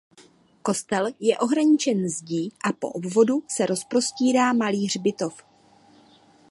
Kostel je ohraničen zdí a po obvodu se rozprostírá malý hřbitov.